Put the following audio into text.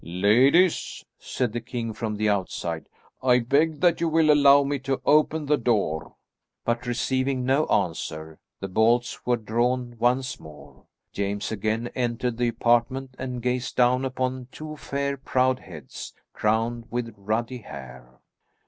"Ladies," said the king from the outside, "I beg that you will allow me to open the door." But, receiving no answer, the bolts were drawn once more; James again entered the apartment and gazed down upon two fair proud heads, crowned with ruddy hair.